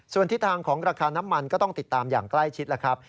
ส่วนทิศทางของราคาน้ำมันก็ต้องติดตามอย่างใกล้ชิดแล้วครับ